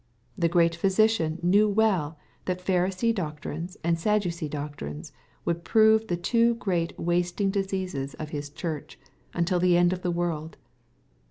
The Great Physician knew well that Pharisee doctrines and Sadducee doctrines would prove the two great wasting diseases of His Church, until the end of the world.